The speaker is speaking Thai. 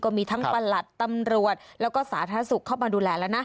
มีทั้งประหลัดตำรวจแล้วก็สาธารณสุขเข้ามาดูแลแล้วนะ